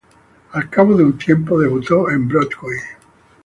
Al cabo de un tiempo debutó en Broadway.